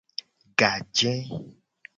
Gaje.